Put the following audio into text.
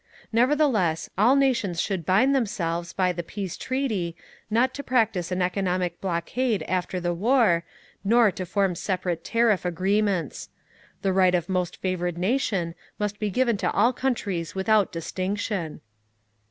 Nevertheless, all nations should bind themselves, by the Peace Treaty, not to practise an economic blockade after the war, nor to form separate tariff agreements. The right of most favoured nation must be given to all countries without distinction.